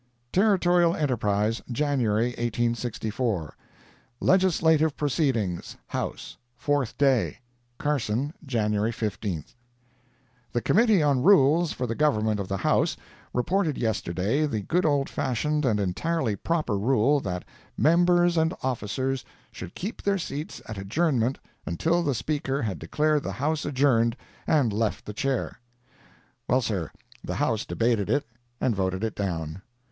Territorial Enterprise, January 1864 LEGISLATIVE PROCEEDINGS—HOUSE—FOURTH DAY Carson, January 15. The Committee on Rules for the Government of the House, reported yesterday the good old fashioned and entirely proper rule that members and officers should keep their seats at adjournment until the Speaker had declared the House adjourned and left the Chair. Well, sir, the House debated it and voted it down.